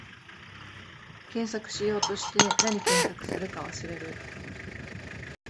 検索しようとして、なに検索するか忘れる